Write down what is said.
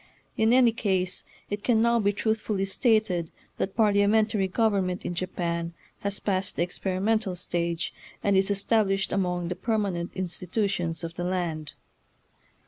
In any case it can now be truthfully stated that parliamen tary government in Japan has passed the experimental stage, and is established among the permanent institutions of the land.